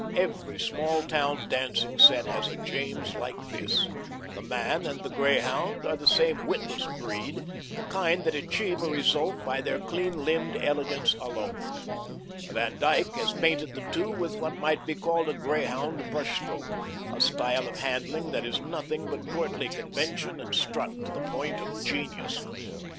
Every small town dancing set has a James like this. The man and the greyhound are the same witless breed, the kind that achieve a result by their clean limbed elegance alone. Van Dyck has painted the two with what might be called a greyhound brush stroke, a style of handling that is nothing but courtly convention and strut to the point of genius.